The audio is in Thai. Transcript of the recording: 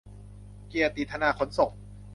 เกียรติธนา ขนส่ง